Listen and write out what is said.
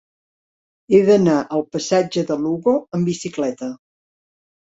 He d'anar al passatge de Lugo amb bicicleta.